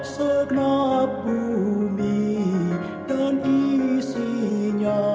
segenap bumi dan isinya